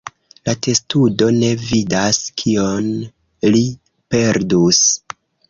La testudo ne vidas kion ri perdus.